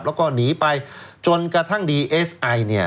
แล้วก็หนีไปจนกระทั่งดีเอสไอเนี่ย